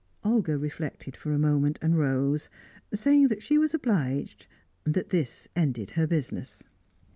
Olga reflected for a moment, and rose, saying that she was obliged, that this ended her business.